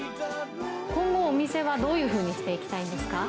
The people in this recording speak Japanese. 今後、お店はどういうふうにしていきたいんですか？